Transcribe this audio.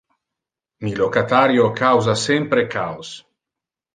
Mi locatario causa sempre chaos.